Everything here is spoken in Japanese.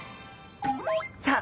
さあ